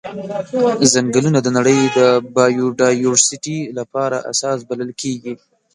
ځنګلونه د نړۍ د بایوډایورسټي لپاره اساس بلل کیږي.